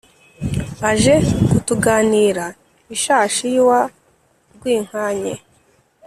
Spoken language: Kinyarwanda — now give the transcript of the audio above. aje kutuganira ishashi y’uwa rwinkanye